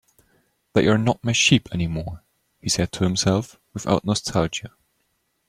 "They're not my sheep anymore," he said to himself, without nostalgia.